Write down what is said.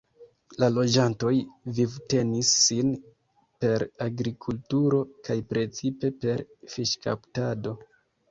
La loĝantoj vivtenis sin per agrikulturo kaj precipe per fiŝkaptado.